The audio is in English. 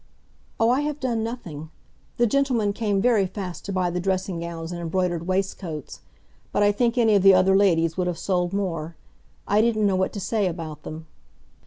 "Oh, I have done nothing; the gentlemen came very fast to buy the dressing gowns and embroidered waistcoats, but I think any of the other ladies would have sold more; I didn't know what to say about them."